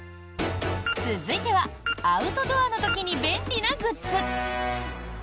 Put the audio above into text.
続いてはアウトドアの時に便利なグッズ。